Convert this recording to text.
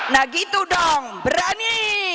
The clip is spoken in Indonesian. nah gitu dong berani